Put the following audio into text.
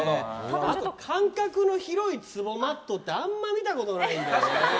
あと間隔の広い足ツボマットってあんま見たことないんだよね。